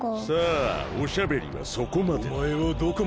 さあおしゃべりはそこまでだ。